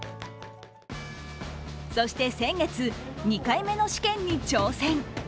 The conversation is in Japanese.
そして、先月２回目の試験に挑戦。